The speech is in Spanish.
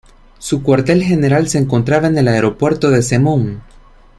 Su cuartel general se encontraba en el Aeropuerto de Zemun.